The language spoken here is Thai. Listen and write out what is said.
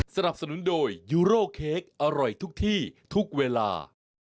สนับสนุนโดยยูโร่เค้กอร่อยทุกที่ทุกเวลา